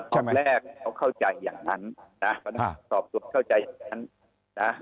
ตอนแรกเขาเข้าใจอย่างนั้นตอนที่สอบตรวจเข้าใจอย่างนั้น